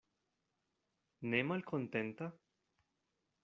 Ne malkontenta?